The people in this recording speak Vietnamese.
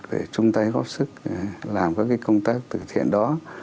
để chung tay góp sức làm các cái công tác tự thiện đó